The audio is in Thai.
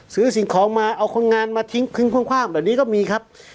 ซื้อสินค้องมาเอาคนงานมาทิ้งทิ้งความความเดี๋ยวนี้ก็มีครับ